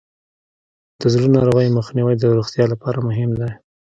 د زړه ناروغیو مخنیوی د روغتیا لپاره مهم دی.